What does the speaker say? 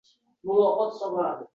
Vujudim tilka